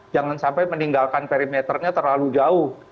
jangan sampai meninggalkan perimeternya terlalu jauh